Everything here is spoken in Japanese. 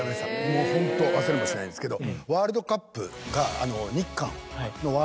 もうホント忘れもしないんですけど。